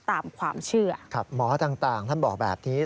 ตามความเชื่อครับหมอต่างท่านบอกแบบนี้